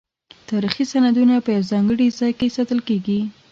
تاریخي سندونه په یو ځانګړي ځای کې ساتل کیږي.